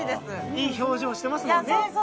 いい表情してますものね。